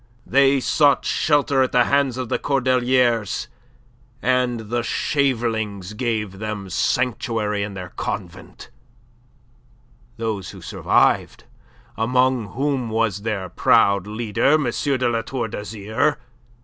They sought shelter at the hands of the Cordeliers; and the shavelings gave them sanctuary in their convent those who survived, among whom was their proud leader, M. de La Tour d'Azyr.